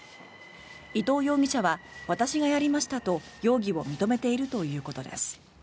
伊藤容疑者は、私がやりましたと容疑を認めているということです。